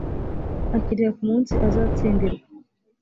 akiriha ku munsi azatsindirwa